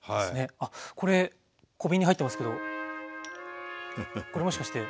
あっこれ小瓶に入ってますけどこれもしかして。